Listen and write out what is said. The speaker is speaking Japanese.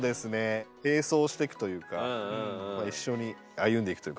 並走していくというか一緒に歩んでいくというか。